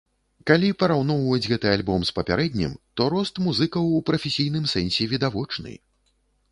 Калі параўноўваць гэты альбом з папярэднім, то рост музыкаў у прафесійным сэнсе відавочны.